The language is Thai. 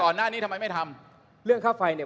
คุณเขตรัฐพยายามจะบอกว่าโอ้เลิกพูดเถอะประชาธิปไตย